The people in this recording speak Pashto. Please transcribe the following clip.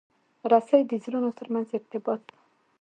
رسۍ د زړونو ترمنځ ارتباط ده.